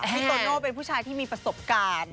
โตโน่เป็นผู้ชายที่มีประสบการณ์